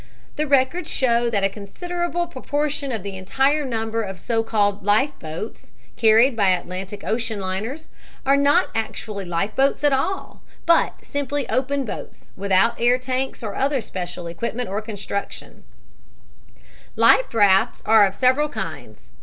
The records show that a considerable proportion of the entire number of so called "life boats" carried by Atlantic Ocean liners are not actually life boats at all, but simply open boats, without air tanks or other special equipment or construction. {illust. caption = CHAMBERS COLLAPSIBLE LIFE RAFT} Life rafts are of several kinds.